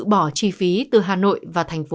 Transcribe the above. bỏ chi phí từ hà nội và thành phố